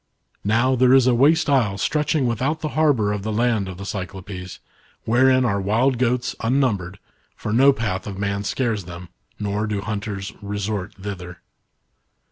Now, there is a waste isle stretching without the harbour of the land of the Cyclopes, wherein are wild goats unnumbered, for no path of man scares them, nor do hunters resc/t thither.